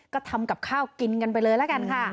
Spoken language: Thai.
ก็ทำกับข้าวกินกันไปเลยละกันค่ะ